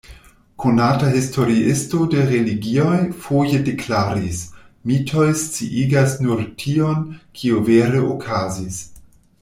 Konata historiisto de religioj foje deklaris: "Mitoj sciigas nur tion, kio vere okazis.